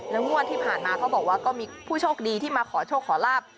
งวดที่ผ่านมาเขาบอกว่าก็มีผู้โชคดีที่มาขอโชคขอลาบ